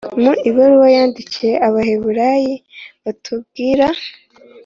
mu ibaruwa yandikiye abahebureyi batubwira